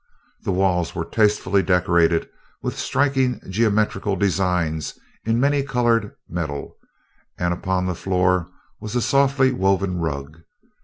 The walls were tastefully decorated with striking geometrical designs in many colored metal, and upon the floor was a softly woven rug.